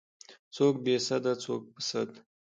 څوک بې سده څوک په سد.